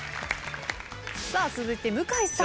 続いて向井さん。